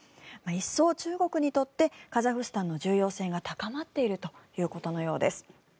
一層、中国にとってカザフスタンの重要性が高まっているということのようです。